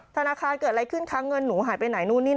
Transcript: ธนาคารเกิดอะไรขึ้นคะเงินหนูหายไปไหนนู่นนี่